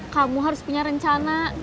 kamu harus punya rencana